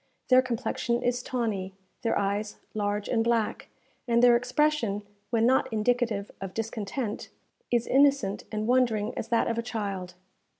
Their complexion is tawny, their eyes large and black, and their expression, when not indicative of discontent, is innocent and wondering as that of a child.